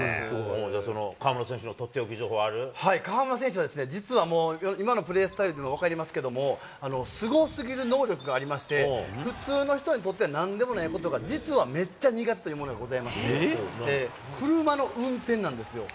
その河村選河村選手は、実は今のプレースタイルでも分かりますけども、すごすぎる能力がありまして、普通の人にとってはなんでもないことが、実はめっちゃ苦手というものがありまして、車の運転なんですよ。